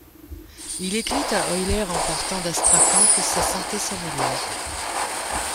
Il écrit à Euler en partant d'Astrakhan que sa santé s'améliore.